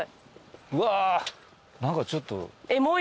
うわ何かちょっと。